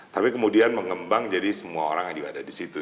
tapi kemudian mengembang jadi semua orang yang juga ada di situ